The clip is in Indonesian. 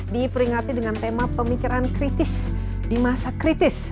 diperingati dengan tema pemikiran kritis di masa kritis